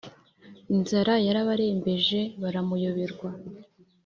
inzara yarabarembeje, baramuyoberwa,